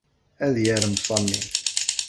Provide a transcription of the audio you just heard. Ad yarem Sami.